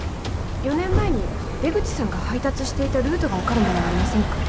４年前に出口さんが配達していたルートが分かるものはありませんか？